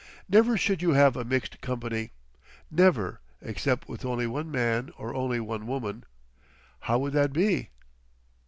Never should you have a mixed company, never—except with only one man or only one woman. How would that be?...